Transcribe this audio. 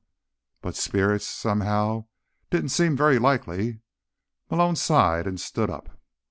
But spirits, somehow, didn't seem very likely. Malone sighed and stood up.